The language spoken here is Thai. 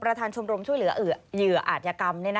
ประธานชมรมช่วยเหลือเหยื่ออาชญกรรม